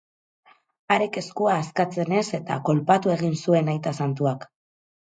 Harek eskua askatzen ez eta kolpatu egin zuen aita santuak.